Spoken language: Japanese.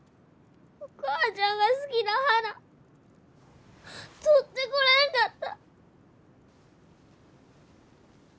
お母ちゃんが好きな花採ってこれんかった！